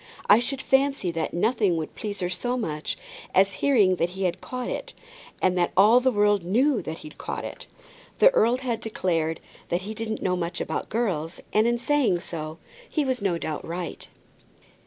I should fancy that nothing would please her so much as hearing that he had caught it, and that all the world knew that he'd caught it." The earl had declared that he didn't know much about girls, and in so saying, he was no doubt right.